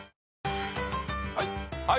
はい。